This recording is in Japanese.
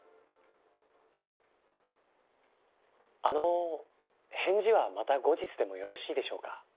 あの返事はまた後日でもよろしいでしょうか？